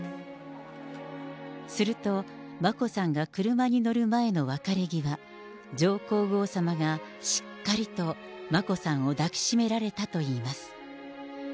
すると、眞子さんが車に乗る前の別れ際、上皇后さまがしっかりと眞子さんを抱きしめられたといいます。